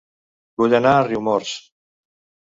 Vull anar a Riumors